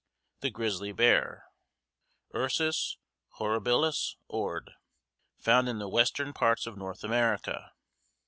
THE GRIZZLY BEAR: Ursus horribilis Ord. Found in the western parts of North America.